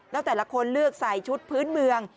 แล้วแต่ละคนเลือกใส่ชุดพื้นเมือง